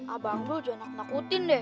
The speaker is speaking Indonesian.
abang lu jangan nakutin deh